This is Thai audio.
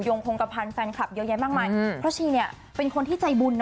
คงกระพันธ์แฟนคลับเยอะแยะมากมายอืมเพราะชีเนี่ยเป็นคนที่ใจบุญนะ